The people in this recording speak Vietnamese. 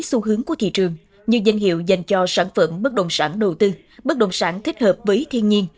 xu hướng của thị trường như danh hiệu dành cho sản phẩm bất động sản đầu tư bất đồng sản thích hợp với thiên nhiên